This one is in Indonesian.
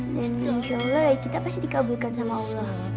dan insya allah kita pasti dikabulkan sama allah